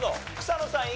草野さん